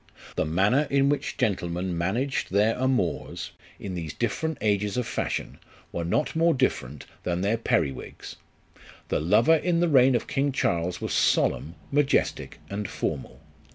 The manner in which gentlemen managed their amours, in these different ages of fashion, were not more different than their perriwigs. The lover in the reign of King Charles was solemn, majestic, and formal.